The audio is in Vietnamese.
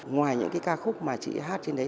ngoài những cái ca khúc mà chị hát trên đấy